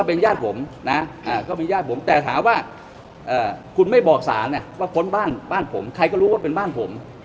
เป็นญาติผมนะก็มีญาติผมแต่ถามว่าคุณไม่บอกสารว่าค้นบ้านบ้านผมใครก็รู้ว่าเป็นบ้านผม